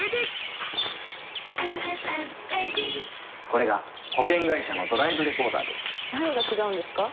これが保険会社のドライブレコーダーです何が違うんですか？